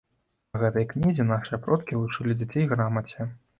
Па гэтай кнізе нашыя продкі вучылі дзяцей грамаце.